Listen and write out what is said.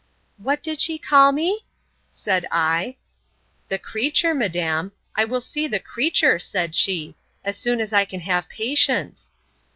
What did she call me? said I. The creature, madam; I will see the creature, said she, as soon as I can have patience.